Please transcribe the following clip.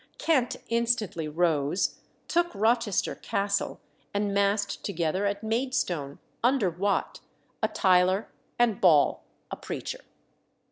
Kent instantly rose, took Rochester Castle, and massed together at Maidstone, under Wat, a tiler, and Ball, a preacher.